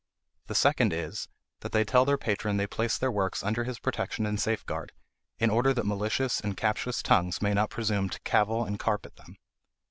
The second is, that they tell their patron they place their works under his protection and safeguard, in order that malicious and captious tongues may not presume to cavil and carp at them.